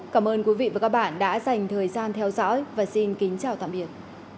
các bạn đã dành thời gian theo dõi và xin kính chào tạm biệt